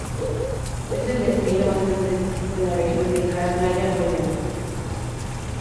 Es el yacimiento más grande de este tipo en la región de Krásnaya Poliana.